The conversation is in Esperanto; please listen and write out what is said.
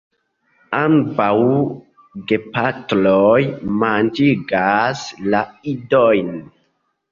Ambaŭ gepatroj manĝigas la idojn.